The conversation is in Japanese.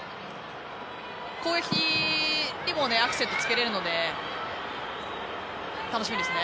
攻撃にもアクセントがつけられるので楽しみですね。